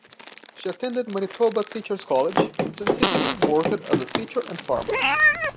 She attended Manitoba Teacher's College, and subsequently worked as a teacher and farmer.